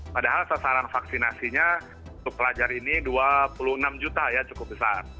padahal sasaran vaksinasinya untuk pelajar ini dua puluh enam juta ya cukup besar